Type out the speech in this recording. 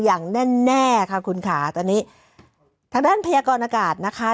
อย่างแน่ค่ะคุณค่ะตอนนี้ทางด้านพยากรอากาศนะคะ